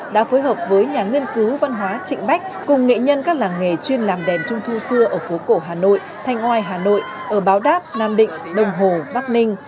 đã phối hợp với nhà nghiên cứu văn hóa trịnh bách cùng nghệ nhân các làng nghề chuyên làm đèn trung thu xưa ở phố cổ hà nội thanh oai hà nội ở báo đáp nam định đồng hồ bắc ninh